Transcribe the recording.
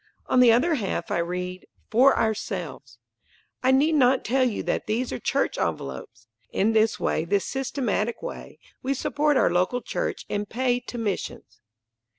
On the other half I read, "For ourselves." I need not tell you that these are church envelopes. In this way, this systematic way, we support our local church and pay to missions.